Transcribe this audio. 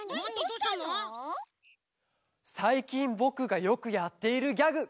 さいきんぼくがよくやっているギャグ